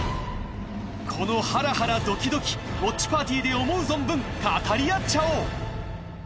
このハラハラドキドキウォッチパーティで思う存分語り合っちゃおう！